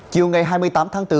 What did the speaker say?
chiều ngày hai mươi tám tháng bốn